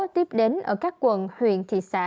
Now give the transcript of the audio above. tiếp đến ở các quận huyện thị xã